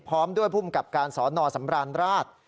พร้อมด้วยภูมิกับการสอนอสำราญราช